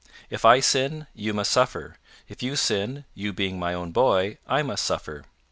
If I sin, you must suffer; if you sin, you being my own boy, I must suffer.